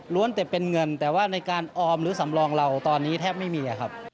แต่เป็นเงินแต่ว่าในการออมหรือสำรองเราตอนนี้แทบไม่มีครับ